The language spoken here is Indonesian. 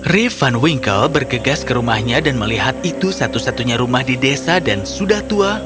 rifan wingkle bergegas ke rumahnya dan melihat itu satu satunya rumah di desa dan sudah tua